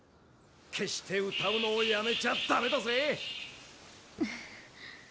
決して歌うのをやめちゃだめだぜ。